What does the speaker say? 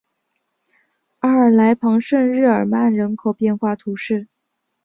阿尔来旁圣日耳曼人口变化图示